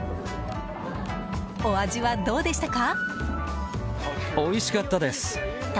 お味はどうでしたか？